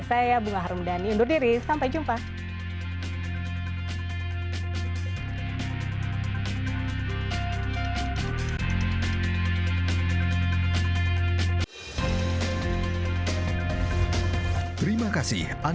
saya bunga harumdhani undur diri